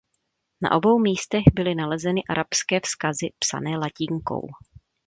Na obou místech byly nalezeny arabské vzkazy psané latinkou.